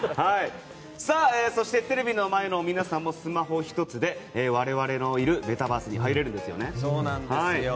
そして、テレビの前の皆さんもスマホ１つで我々のいるメタバースに入れるんですよね。